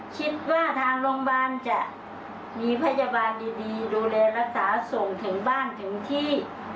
คิดว่าทางโรงพยาบาลจะมีพยาบาลดีดูแลรักษาส่งถึงบ้านถึงที่